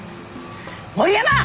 森山！